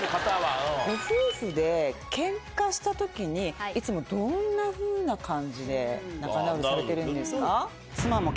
ご夫婦でケンカした時にいつもどんなふうな感じで仲直りされてるんですか？